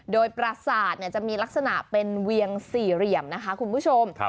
โดยประสาทจะมีลักษณะเป็นเวียงสี่เหลี่ยมนะคะคุณผู้ชม